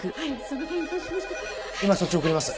今そっち送りました。